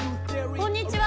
こんにちは。